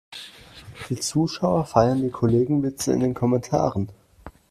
Die Zuschauer feiern die Kollegenwitze in den Kommentaren.